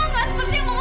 masa tidak diinginkan